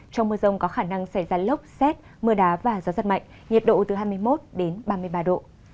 trong mưa rông có khả năng xảy ra lốc xét mưa đá và gió giật mạnh nhiệt độ từ hai mươi một đến ba mươi ba độ